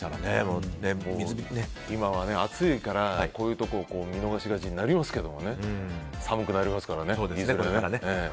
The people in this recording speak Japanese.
今は暑いからこういうところを見逃しがちになりますけども寒くなりますからね、いずれね。